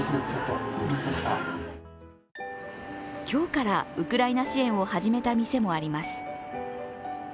今日からウクライナ支援を始めた店もあります。